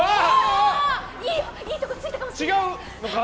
いいとこついたかもしれない。